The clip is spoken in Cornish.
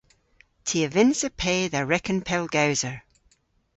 Ty a vynnsa pe dha reken pellgowser.